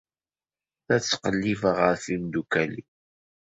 La ttqellibeɣ ɣef yimeddukal-iw.